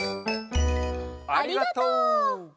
ありがとう。